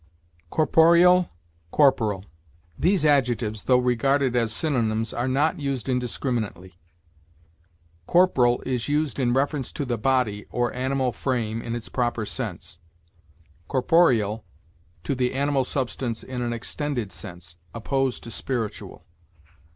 CORPOREAL CORPORAL. These adjectives, though regarded as synonyms, are not used indiscriminately. Corporal is used in reference to the body, or animal frame, in its proper sense; corporeal, to the animal substance in an extended sense opposed to spiritual.